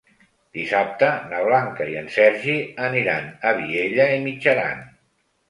Dissabte na Blanca i en Sergi aniran a Vielha e Mijaran.